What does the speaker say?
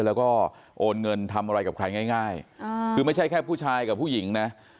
แล้วก็โอนเงินทำอะไรกับใครง่ายคือไม่ใช่แค่ผู้ชายกับผู้หญิงนะ